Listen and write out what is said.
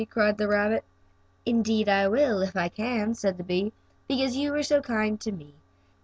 cried the rabbit. "Indeed I will, if I can," said the bee, "because you were so kind to me.